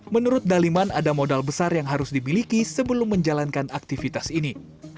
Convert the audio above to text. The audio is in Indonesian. menurut daliman ada modal besar yang harus dibiliki sebelum menjalankan aktivitas ini